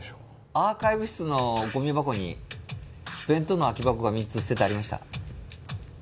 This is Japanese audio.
アーカイブ室のゴミ箱に弁当の空き箱が３つ捨ててありました。